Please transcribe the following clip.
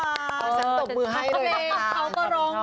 ฉันตบมือให้เลยค่ะ